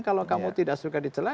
kalau kamu tidak suka dicelah